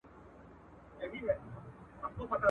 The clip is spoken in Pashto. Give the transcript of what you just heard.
او سړی پوه نه سي چي نقاش څه غوښتل !.